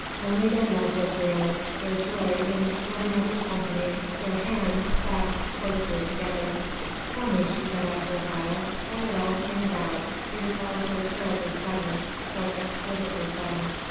Only their love was real, their joy in one another's company, their hands clasped closely together! "Tell me," she said after awhile, "how it all came about. It is all so terribly sudden ... so exquisitely sudden.